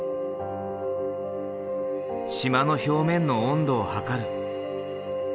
島の表面の温度を測る。